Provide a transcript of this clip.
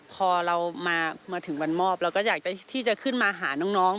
พอเรามาถึงวันมอบเราก็อยากที่จะขึ้นมาหาน้อง